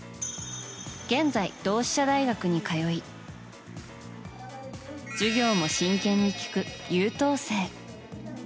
現在、同志社大学に通い授業も真剣に聞く優等生。